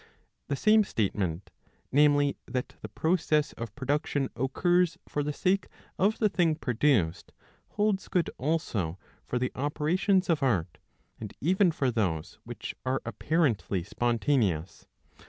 The same statement^ [namely, that the process of pro duction occurs for the sake of the thing produced] holds good also for the operations of art, and even for those which are appa rently spontaneous.